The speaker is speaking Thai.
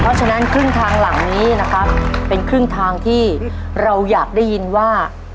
เพราะฉะนั้นครึ่งทางหลังนี้นะครับเป็นครึ่งทางที่เราอยากได้ยินว่า